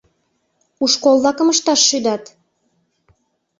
У школ-влакым ышташ шӱдат?